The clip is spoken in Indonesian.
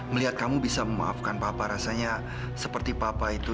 melihat kamu bisa memaafkan papa rasanya seperti papa itu